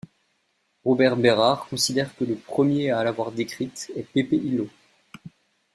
Robert Bérard considère que le premier à l'avoir décrite est Pepe Hillo.